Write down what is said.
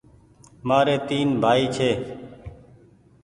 ماريٚ تين بهائي ڇي